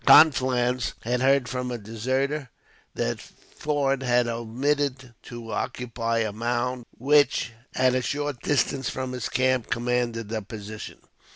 Conflans had heard, from a deserter, that Forde had omitted to occupy a mound which, at a short distance from his camp, commanded the position.